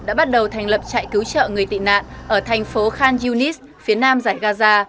đã bắt đầu thành lập trại cứu trợ người tị nạn ở thành phố khan yunis phía nam giải gaza